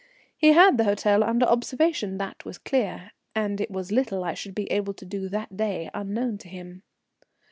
He had the hotel under observation that was clear, and it was little I should be able to do that day unknown to him.